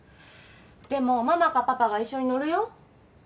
でもママかパパが一緒に乗るよ。